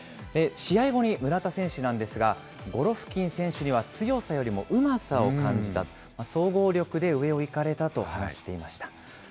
試合後に村田選手なんですが、ゴロフキン選手には強さよりもうまさを感じた、総合力で上を行かれたと話していました。